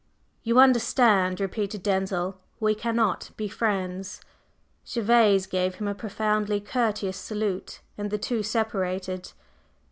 "You understand?" repeated Denzil. "We cannot be friends!" Gervase gave him a profoundly courteous salute, and the two separated.